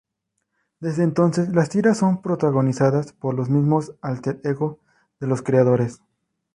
Desde entonces las tiras son protagonizadas por los mismos álter ego de los creadores.